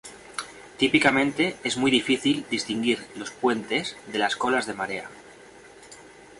Típicamente, es muy difícil distinguir los puentes de las colas de marea.